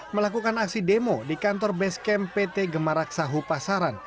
melakukan aksi demo di kantor base camp pt gemaraksahu pasaran